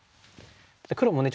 黒もね